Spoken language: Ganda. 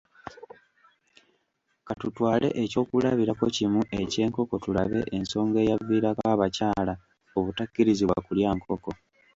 Ka tutwale eky’okulabirako kimu eky’enkoko tulabe ensonga eyaviirako abakyala obutakkirizibwa kulya nkoko.